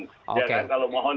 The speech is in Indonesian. ya kan kalau mohon